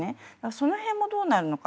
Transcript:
その辺もどうなるのか。